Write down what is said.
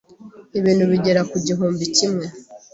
ibintu bigera ku gihumbi kimwe